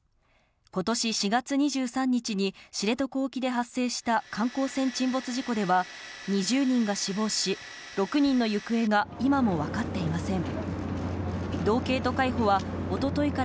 今年４月２３日に知床沖で発生した観光船沈没事故では２０人が死亡し、６人の行方が今も分かっていません。